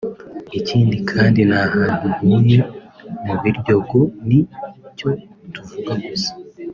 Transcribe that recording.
ikindi kandi n’ahantu ntuye mu Biryogo ni cyo tuvuga gusa